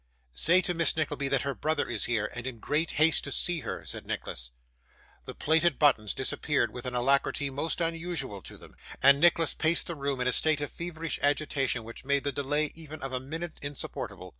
'Say to Miss Nickleby that her brother is here, and in great haste to see her,' said Nicholas. The plated buttons disappeared with an alacrity most unusual to them, and Nicholas paced the room in a state of feverish agitation which made the delay even of a minute insupportable.